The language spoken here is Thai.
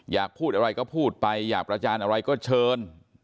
อยากพูดอะไรก็พูดไปอยากประจานอะไรก็เชิญ